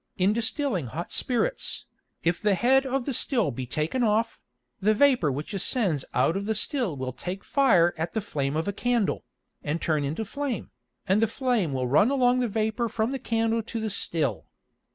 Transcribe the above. In distilling hot Spirits, if the Head of the Still be taken off, the Vapour which ascends out of the Still will take fire at the Flame of a Candle, and turn into Flame, and the Flame will run along the Vapour from the Candle to the Still.